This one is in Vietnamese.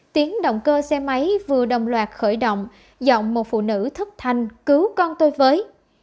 tiếng động cơ xe máy vừa đồng loạt khởi động dọng một phụ nữ thức thanh cứu con tôi với